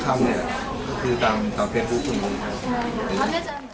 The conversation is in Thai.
อันนี้เป็นของเราเองเราเป็นผู้มีนิกสิทธิ์